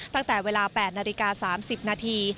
ตั้งแต่เวลา๘นาฬิกา๓๐นาที